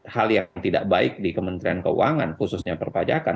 hal yang tidak baik di kementerian keuangan khususnya perpajakan